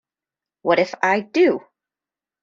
What if I do!